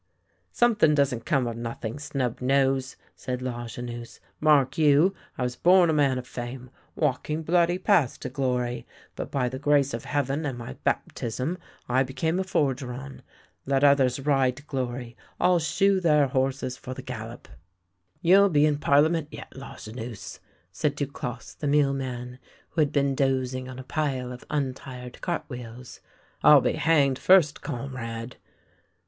" Something doesn't come of nothing, snub nose! " said Lajeunesse. " Mark you, I was born a man of fame, walking bloody paths to glory, but by the grace THE LANE THAT HAD NO TURNING 17 of Heaven and my baptism I became a forgeron. Let others ride to glory, I'll shoe their horses for the gal lop." " You'll be in Parliament yet, Lajeunesse," said Du closse the mealman, who had been dozing on a pile of untired cart wheels. " I'll be hanged first, comrade!